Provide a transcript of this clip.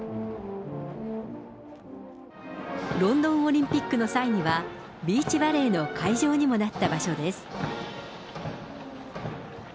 ロンドンオリンピックの際には、ビーチバレーの会場にもなった場所です。